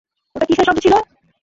ওটা কীসের শব্দ ছিলো?